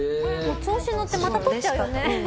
調子乗ってまた撮っちゃうよね。